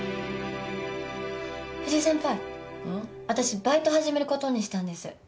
私バイト始めることにしたんです。